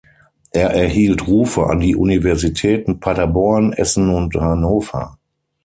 Er erhielt Rufe an die Universitäten Paderborn, Essen und Hannover.